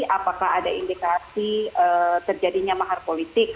apakah ada indikasi terjadinya mahar politik